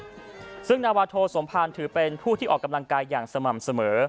ซึ่งประธานกรุ่นทรงศาลนาวาโทสมภาลถือเป็นผู้ที่ออกกำลังกายอย่างสม่ำเสมอ